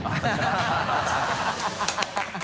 ハハハ